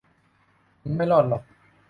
มึงไม่รอดหรอก